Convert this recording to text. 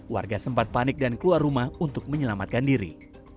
warga sempat panik dan keluar rumah untuk menyelamatkan diri